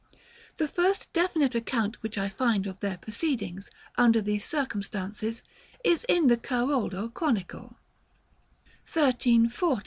The first definite account which I find of their proceedings, under these circumstances, is in the Caroldo Chronicle: "1340.